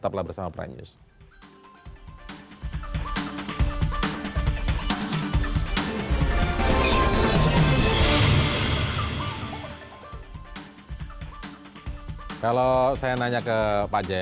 tetaplah bersama prime news